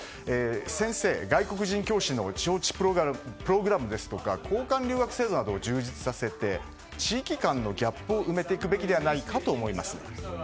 先生、外国人教師の招致プログラムですとか交換留学制度などを充実させて地域間のギャップを埋めていくべきではないかと思います。